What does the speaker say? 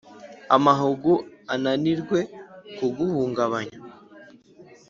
amahugu ananirwe kugihungabanya